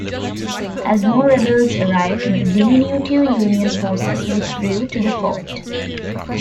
As more Rebels arrived, the diminutive Union forces withdrew to the fort.